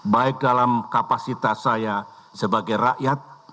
baik dalam kapasitas saya sebagai rakyat